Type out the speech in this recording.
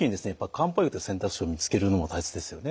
漢方薬って選択肢を見つけるのも大切ですよね。